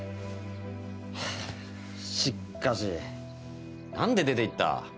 はぁしっかし何で出ていった？